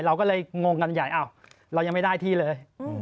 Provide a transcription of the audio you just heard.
เราก็เลยงงกันใหญ่อ้าวเรายังไม่ได้ที่เลย